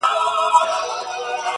o تاريخ يې ساتي په حافظه کي,